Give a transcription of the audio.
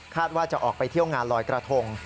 ว่าจะออกไปเที่ยวงานลอยกระทง